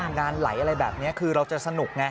ทำงานหลายอะไรแบบนี้คือเราจะสนุกนะ